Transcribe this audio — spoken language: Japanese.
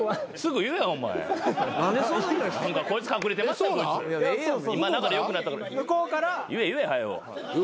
言え言え早う。